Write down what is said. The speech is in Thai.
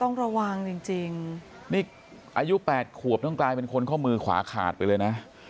ต้องระวังจริงนี่อายุ๘ขวบต้องกลายเป็นคนข้อมือขวาขาดไปเลยนะ